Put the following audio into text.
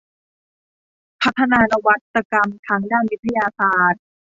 พัฒนานวัตกรรมทางด้านวิทยาศาสตร์